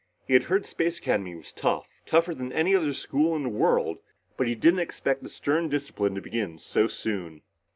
He had heard Space Academy was tough, tougher than any other school in the world, but he didn't expect the stern discipline to begin so soon.